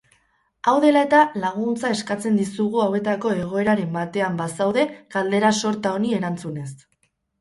Hau dela eta, laguntza eskatzen dizugu hauetako egoeraren batean bazaude galdera-sorta honi erantzunez.